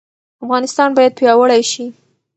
افغانستان باید پیاوړی شي.